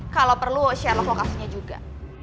kalau perlu sherlock lokasinya juga